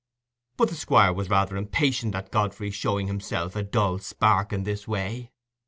But the Squire was rather impatient at Godfrey's showing himself a dull spark in this way.